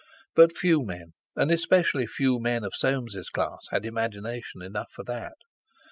But few men, and especially few men of Soames's class, had imagination enough for that.